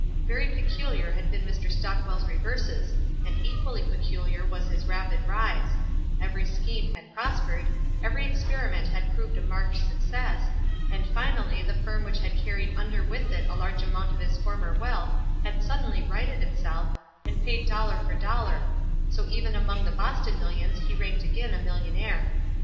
Very peculiar had been Mr. Stockwell's reverses, mid equally peculiar was bis rapid rise ; every scheme had prospered, every experiment had proved a marked success, and finally the firm which had carried under with it a largo amount of his former wealth had suddenly righted itself, and paid dollar for dol lar — so even among the Boston millions ho ranked again a millionaire.